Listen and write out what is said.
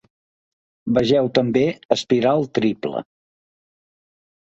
Vegeu també espiral triple.